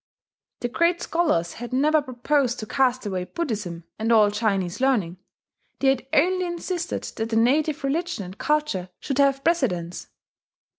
The great scholars had never proposed to cast away Buddhism and all Chinese learning; they had only insisted that the native religion and culture should have precedence.